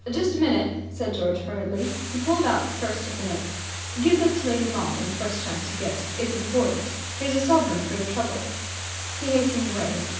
"Just a minute," said George hurriedly. He pulled out the first of the notes. "Give this to Lady Maud the first chance you get. It's important. Here's a sovereign for your trouble." He hastened away.